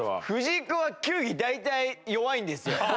藤井君は球技大体弱いんですよ。